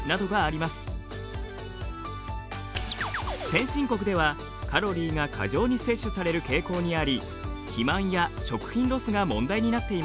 先進国ではカロリーが過剰に摂取される傾向にあり肥満や食品ロスが問題になっています。